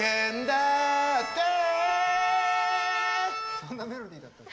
そんなメロディーだったっけ？